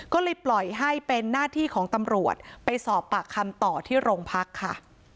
ก็เลยปล่อยให้เป็นหน้าที่ของตำรวจไปสอบปากคำต่อที่โรงพักค่ะ